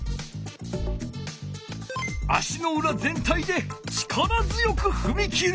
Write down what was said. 足のうら全体で力強くふみ切る。